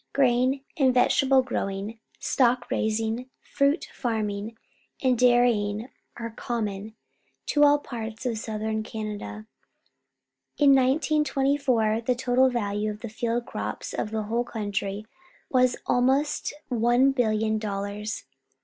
Grain and vegetable growing, stock raising, fruit farming, and dairjdng are common to all parts of Southern Canada. In 1929 the total value of the field crops of the whole country was almost one billion dollars.